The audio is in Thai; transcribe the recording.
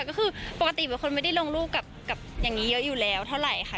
ก็คือปกติเป็นคนไม่ได้ลงรูปกับอย่างนี้เยอะอยู่แล้วเท่าไหร่ค่ะ